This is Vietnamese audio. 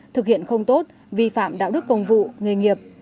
thực hiện không tốt vi phạm đạo đức công vụ nghề nghiệp